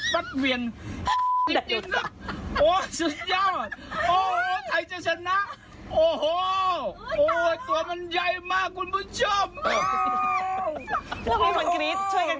แล้วมีคนกรี๊ดช่วยกันกรี๊ด